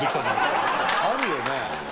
あるよね。